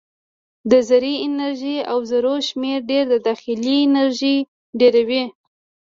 د ذرې انرژي او ذرو شمیر ډېر د داخلي انرژي ډېروي.